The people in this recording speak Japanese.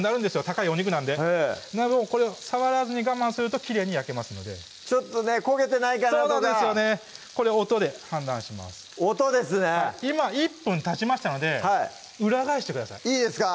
高いお肉なんでこれを触らずに我慢するときれいに焼けますのでちょっとね焦げてないかなとかそうなんですよねこれ音で判断します音ですね今１分たちましたので裏返してくださいいいですか？